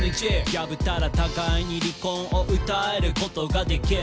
「破ったらお互いに離婚を訴えることができる」